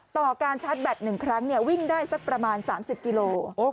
ต่อการชัดแบตหนึ่งครั้งวิ่งได้สักประมาณ๓๐กิโล